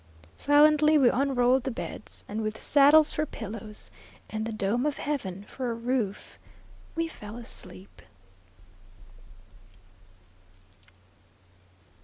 Silently we unrolled the beds, and with saddles for pillows and the dome of heaven for a roof, we fell asleep.